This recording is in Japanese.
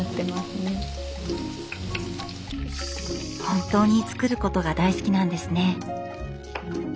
本当に作ることが大好きなんですね。